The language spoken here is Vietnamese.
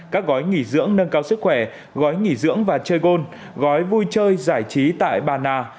các gói nghỉ dưỡng nâng cao sức khỏe gói nghỉ dưỡng và chơi gold gói vui chơi giải trí tại bà nà